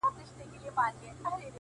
ښه دی په دې ازمايښتونو کي به ځان ووينم_